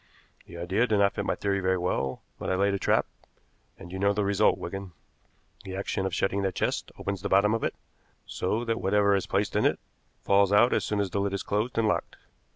The idea did not fit my theory very well, but I laid a trap, and you know the result, Wigan. The action of shutting that chest opens the bottom of it, so that whatever is placed in it falls out as soon as the lid is closed and locked.